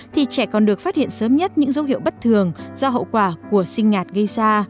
thì trẻ còn được phát hiện sớm nhất những dấu hiệu bất thường do hậu quả của sinh ngạt gây ra